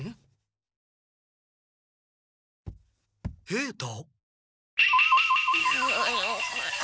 平太。